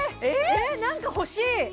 えなんか欲しい！